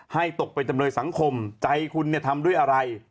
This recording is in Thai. ตกเป็นจำเลยสังคมใจคุณทำด้วยอะไร